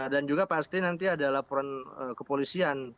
dan juga pasti nanti ada laporan kepolisian